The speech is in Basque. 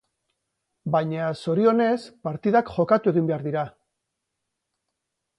Baina, zorionez, partidak jokatu egin behar dira.